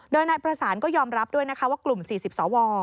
โดยนายประสานก็ยอมรับด้วยนะคะว่ากลุ่ม๔๐สว